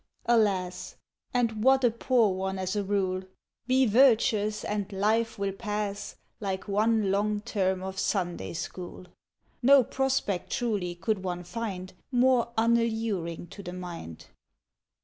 Alas! And what a poor one as a rule! Be Virtuous and Life will pass Like one long term of Sunday School. (No prospect, truly, could one find More unalluring to the mind.)